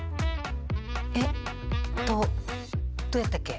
えっとどうやったっけ？